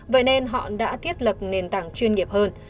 vậy nên họ đã thiết lập nền tảng chuyên nghiệp hơn